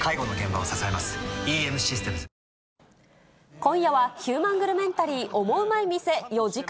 今夜は、ヒューマングルメンタリーオモウマい店４時間